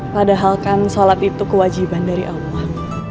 padahal kan sholat itu kewajiban dari allah